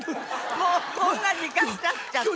もうこんな時間経っちゃって。